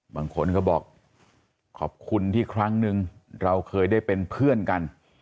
บางคนก็บอกขอบคุณที่ครั้งหนึ่งเราเคยได้เป็นเพื่อนกัน